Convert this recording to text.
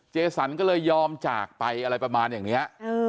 เจสันก็เลยยอมจากไปอะไรประมาณอย่างนี้